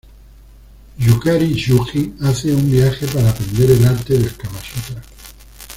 Yukari Tsuji hace un viaje para aprender el arte del Kama Sutra.